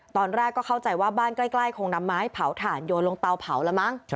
ตอนแรกก็เข้าใจว่าบ้านใกล้คงนำไม้เผาถ่านโยนลงเตาเผาแล้วมั้ง